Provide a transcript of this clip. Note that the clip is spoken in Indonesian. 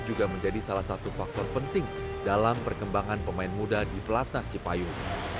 juga menjadi salah satu faktor penting dalam perkembangan pemain muda di pelatnas cipayung